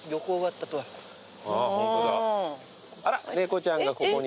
あら猫ちゃんがここに。